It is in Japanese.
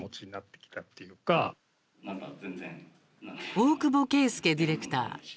大久保圭祐ディレクター。